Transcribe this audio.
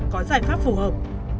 có giải pháp phù hợp